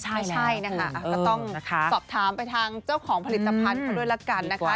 ไม่ใช่นะคะก็ต้องสอบถามไปทางเจ้าของผลิตภัณฑ์เขาด้วยละกันนะคะ